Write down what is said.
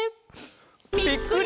「ぴっくり！